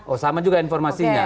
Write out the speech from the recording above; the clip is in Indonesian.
oh sama juga informasinya